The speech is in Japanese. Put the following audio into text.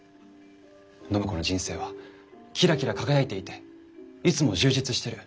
暢子の人生はキラキラ輝いていていつも充実してる。